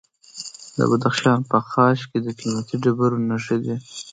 د بدخشان په خاش کې د قیمتي ډبرو نښې دي.